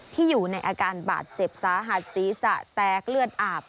อยู่ในอาการบาดเจ็บสาหัสศีรษะแตกเลือดอาบ